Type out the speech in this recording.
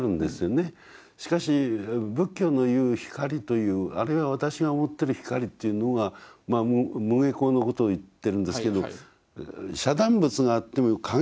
しかし仏教の言う光というあるいは私が思ってる光っていうのが無碍光のことを言ってるんですけど遮断物があっても影ができない光。